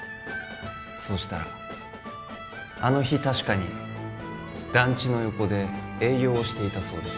そしたらあの日確かに団地の横で営業をしていたそうです